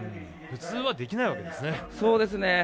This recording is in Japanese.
ふつうはできないわけですね。